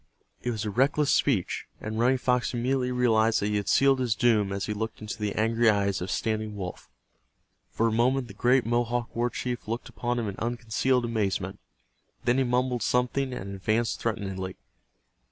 It was a reckless speech, and Running Fox immediately realized that he had sealed his doom as he looked into the angry eyes of Standing Wolf. For a moment the great Mohawk war chief looked upon him in unconcealed amazement. Then he mumbled something, and advanced threateningly.